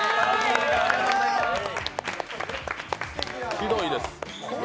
ひどいです。